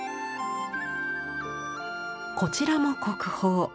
こちらも国宝。